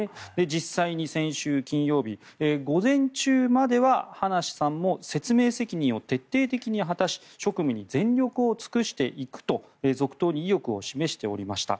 実際に先週金曜日、午前中までは葉梨さんも説明責任を徹底的に果たし職務に全力を尽くしていくと続投に意欲を示しておりました。